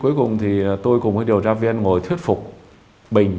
cuối cùng thì tôi cùng với điều tra viên ngồi thuyết phục bình